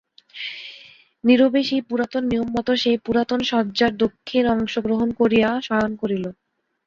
নীরবে সেই পুরাতন নিয়মমতো সেই পুরাতন শয্যার দক্ষিণ অংশ গ্রহণ করিয়া শয়ন করিল।